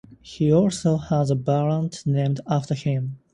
He also has a vault named after him.